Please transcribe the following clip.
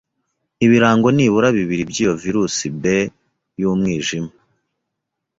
ibirango nibura bibiri by’iyo Virus B y’umwijima.